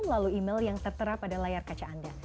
lalu email yang tertera pada layar kaca anda